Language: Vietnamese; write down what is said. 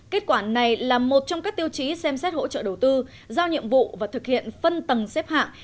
kết quả này là một trong các tiêu chí xem xét hỗ trợ đầu tư giao nhiệm vụ và thực hiện phân tầng xếp hạng